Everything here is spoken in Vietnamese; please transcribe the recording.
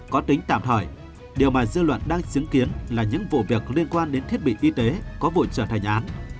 có tính tạm thời điều mà dư luận đang chứng kiến là những vụ việc có liên quan đến thiết bị y tế có vụ trở thành án